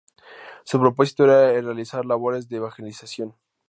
Su propósito era el realizar labores de evangelización.